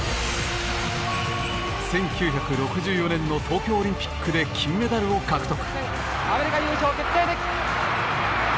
１９６４年の東京オリンピックで金メダルを獲得。